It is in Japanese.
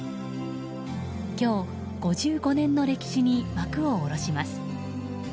今日、５５年の歴史に幕を下ろします。